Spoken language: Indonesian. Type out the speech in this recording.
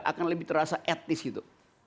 akan lebih terasa etnis gitu